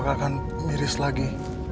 apakah akan miris lagi